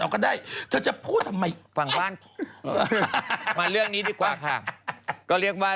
เอาก็ได้เธอจะพูดทำไมฟังบ้านผมมาเรื่องนี้ดีกว่าค่ะก็เรียกว่า